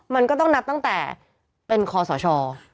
มันก็ต้องนับตั้งแต่เป็นคอสช